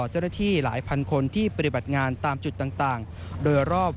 เจ้าหน้าที่หลายพันคนที่ปฏิบัติงานตามจุดต่างโดยรอบ